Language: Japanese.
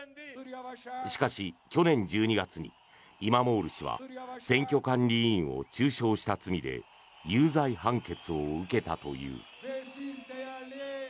しかし去年１２月にイマモール氏は選挙管理委員を中傷した罪で有罪判決を受けたという。